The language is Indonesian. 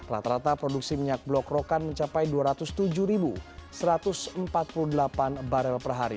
rata rata produksi minyak blok rokan mencapai dua ratus tujuh satu ratus empat puluh delapan barel per hari